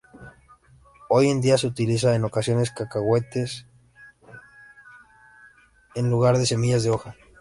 Hoy en día se utilizan en ocasiones cacahuetes en lugar de semillas de soja.